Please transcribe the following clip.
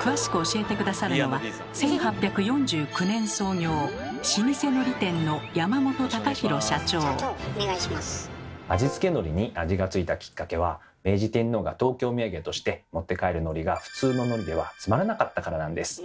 詳しく教えて下さるのは１８４９年創業老舗のり店の「味付けのり」に味が付いたきっかけは明治天皇が東京みやげとして持って帰る「のり」が普通の「のり」ではつまらなかったからなんです。